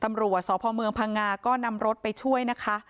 ตำรวจสพเมืองพังงาก็นำรถไปช่วยนะคะ